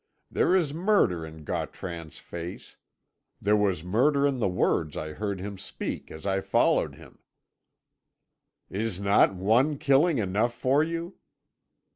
There is murder in Gautran's face; there was murder in the words I heard him speak as I followed him: 'Is not one killing enough for you?'